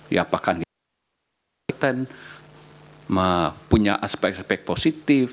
ya bahkan kita punya aspek aspek positif